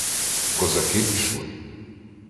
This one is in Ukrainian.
Козаки пішли.